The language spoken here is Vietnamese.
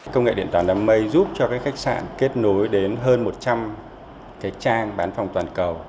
công nghệ điện toán đám mây giúp cho các khách sạn kết nối đến hơn một trăm linh trang bán phòng toàn cầu